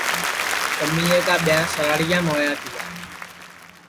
کمیے کا ٻیاں سراہڑیام ہویا تیا